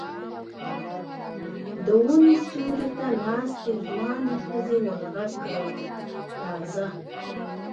د وني سيوري ته ناستې ځوانې ښځې ور غږ کړل: راځه!